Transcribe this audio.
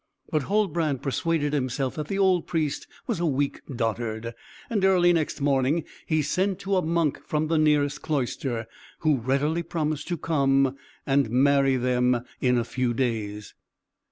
But Huldbrand persuaded himself that the old Priest was a weak dotard; and early next morning he sent to a monk from the nearest cloister, who readily promised to come and marry them in a few days.